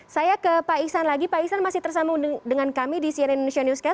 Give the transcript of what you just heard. saya ke pak iksan lagi pak iksan masih tersambung dengan kami di cnn indonesia newscast